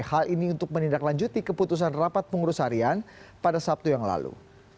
hal ini untuk menindaklanjuti keputusan rapat pengurus harian pada sabtu yang lalu